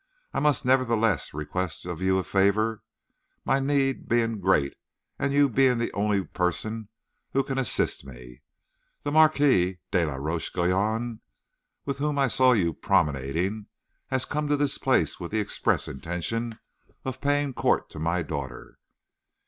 I must nevertheless request of you a favor, my need being great and you being the only person who can assist me. The Marquis de la Roche Guyon, with whom I saw you promenading, has come to this place with the express intention of paying court to my daughter.